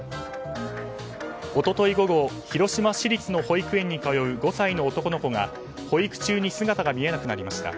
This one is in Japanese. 一昨日午後広島市立の保育園に通う５歳の男の子が保育中に姿が見えなくなりました。